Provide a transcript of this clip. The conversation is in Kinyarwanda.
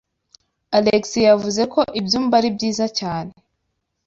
Alex yavuze ko ibyumba ari byiza cyane.